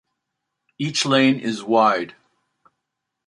Each lane is wide.